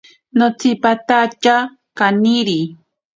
Notsimpatatye kaniri.